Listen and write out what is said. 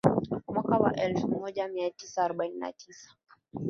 Mwaka wa elfu moja mia tisa arobaini na tisa